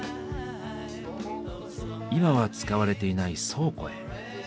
今は使われていない倉庫へ。